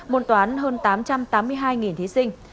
môn toán hơn tám trăm tám mươi hai thí sinh